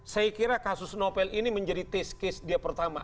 saya kira kasus novel ini menjadi test case dia pertama